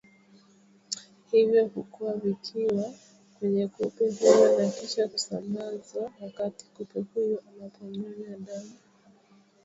hivyo hukua vikiwa kwenye kupe huyo na kisha kusambazwa wakati kupe huyo anapomnyonnya damu